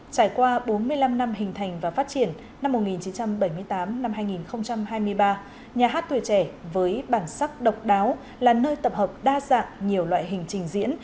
trải qua bốn mươi năm năm hình thành và phát triển năm một nghìn chín trăm bảy mươi tám hai nghìn hai mươi ba nhà hát tuổi trẻ với bản sắc độc đáo là nơi tập hợp đa dạng nhiều loại hình trình diễn